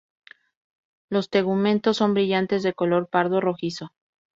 Los tegumentos son brillantes, de color pardo rojizo.